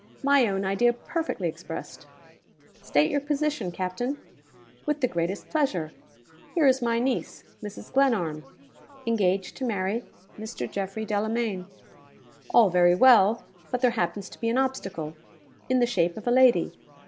'My own idea perfectly expressed.' 'State your position, Captain.' 'With the greatest pleasure. Here is my niece, Mrs. Glenarm, engaged to marry Mr. Geoffrey Delamayn. All very well, but there happens to be an obstacle in the shape of a lady.